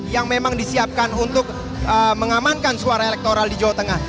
yang memang disiapkan untuk mengamankan suara elektoral di jawa tengah